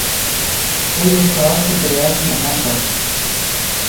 کوئی احساس تو دریا کی انا کا ہوت